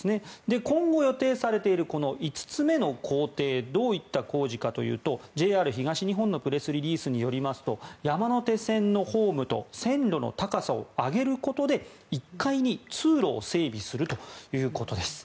今後、予定されている５つ目の工程どういった工事かというとＪＲ東日本のプレスリリースによりますと山手線のホームと線路の高さを上げることで１階に通路を整備するということです。